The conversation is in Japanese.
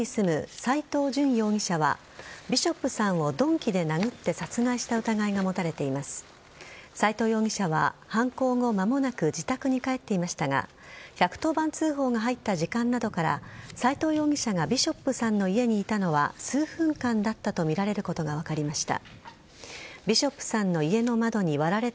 斎藤容疑者は犯行後間もなく自宅に帰っていましたが１１０番通報が入った時間などから斎藤容疑者がビショップさんの家にいたのは数分間だったとみられることが分かりました。